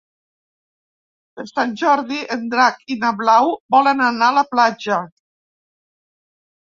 Per Sant Jordi en Drac i na Blau volen anar a la platja.